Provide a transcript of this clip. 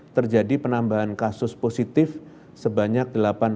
terjadi penambahan kasus positif sebanyak delapan delapan ratus sembilan puluh dua